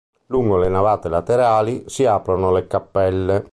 Lungo le navate laterali si aprono le cappelle.